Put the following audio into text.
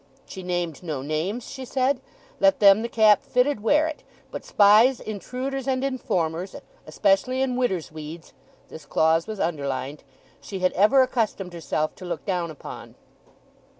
She named no names, she said; let them the cap fitted, wear it; but spies, intruders, and informers, especially in widders' weeds (this clause was underlined), she had ever accustomed herself to look down upon.